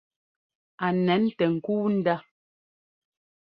A nɛn tɛ ŋ́kúu ndá.